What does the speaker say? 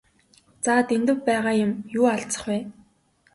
За Дэндэв байгаа юм юу алзах вэ?